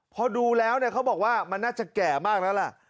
พอดูแล้วเขาบอกว่ามันน่าจะแก่มากแล้วล่ะ